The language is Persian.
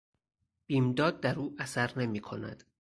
بیمداد در او اثر نمیکند.